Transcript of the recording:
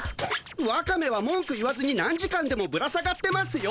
ワカメはもんく言わずに何時間でもぶら下がってますよ。